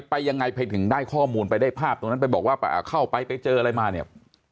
ไปยังไงไปถึงได้ข้อมูลไปได้ภาพตรงนั้นไปบอกว่าเข้าไปไปเจออะไรมาเนี่ย